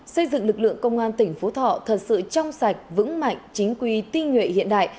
xây dựng lực lượng công an tỉnh phú thọ thật sự trong sạch vững mạnh chính quy tinh nguyện hiện đại